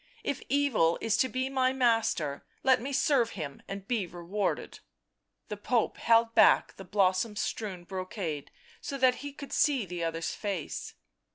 If Evil is to be my master, let me serve him ... and be rewarded." The Pope held back the blossom strewn brocade so that he could see the other's face.